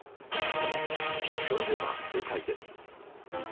それでは正解です。